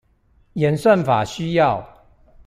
演算法需要